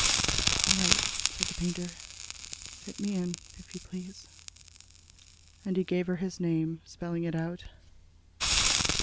"All right," said the painter, "fit me in, if you please." And he gave her his name, spelling it out.